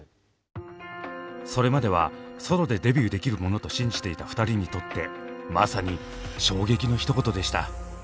それまではソロでデビューできるものと信じていた２人にとってまさに「衝撃の一言」でした。